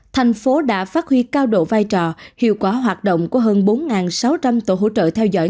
thành phố đã phát huy cao độ vai trò hiệu quả hoạt động của hơn bốn sáu trăm linh tổ hỗ trợ theo dõi